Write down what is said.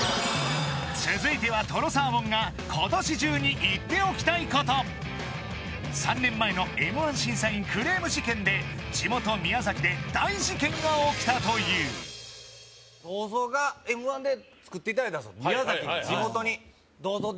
続いてはとろサーモンが今年中に言っておきたいこと３年前のＭ−１審査員クレーム事件で地元・宮崎で大事件が起きたという銅像がＭ−１でつくっていただいたんですよ